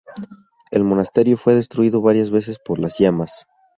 El monasterio fue destruido varias veces por las llamas.